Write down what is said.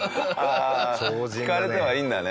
ああ聞かれてはいるんだね。